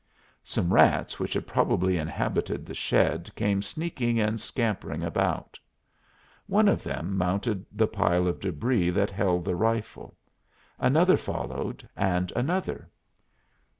Some rats which had probably inhabited the shed came sneaking and scampering about. One of them mounted the pile of débris that held the rifle; another followed and another.